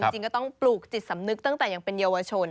จริงก็ต้องปลูกจิตสำนึกตั้งแต่ยังเป็นเยาวชน